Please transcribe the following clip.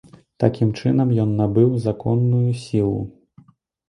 Такім чынам ён набыў законную сілу.